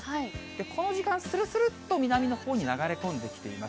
この時間、するするっと南のほうに流れ込んできています。